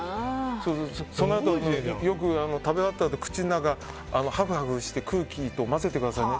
そのあと食べ終わったあと口の中ハグハグして空気と混ぜてくださいね。